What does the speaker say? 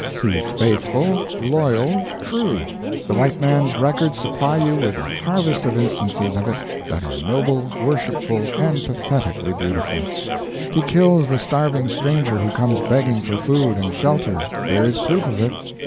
he is faithful, loyal, true the white man's records supply you with a harvest of instances of it that are noble, worshipful, and pathetically beautiful. He kills the starving stranger who comes begging for food and shelter there is proof of it.